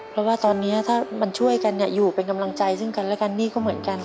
เพราะว่าตอนนี้ถ้ามันช่วยกันเนี่ยอยู่เป็นกำลังใจซึ่งกันและกันนี่ก็เหมือนกัน